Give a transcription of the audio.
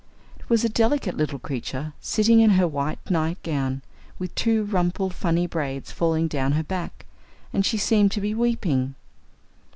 It was a delicate little creature, sitting in her white night gown, with two rumpled funny braids falling down her back, and she seemed to be weeping.